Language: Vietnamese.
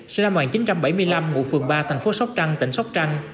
sinh năm một nghìn chín trăm bảy mươi năm ngụ phường ba thành phố sóc trăng tỉnh sóc trăng